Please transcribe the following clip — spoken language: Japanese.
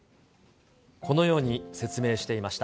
このように、説明していました。